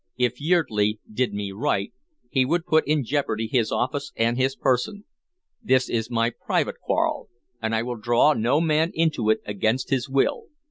"If Yeardley did me right, he would put in jeopardy his office and his person. This is my private quarrel, and I will draw no man into it against his will.